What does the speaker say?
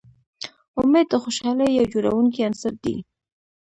امید د خوشحالۍ یو جوړوونکی عنصر دی.